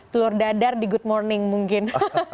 telur dadar di good morning mungkin